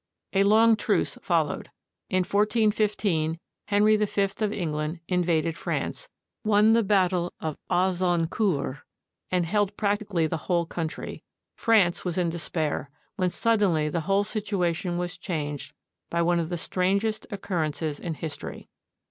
A long truce followed. In 141 5, Henry V of England invaded France, won the battle of Agincourt, and held practically the whole country. France was in despair, when suddenly the whole situation was changed by one of the strangest occur rences in history.